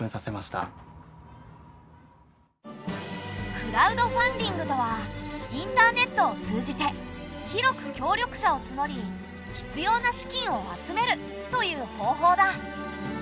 クラウドファンディングとはインターネットを通じて広く協力者をつのり必要な資金を集めるという方法だ。